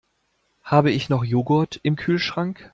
Habe ich noch Joghurt im Kühlschrank?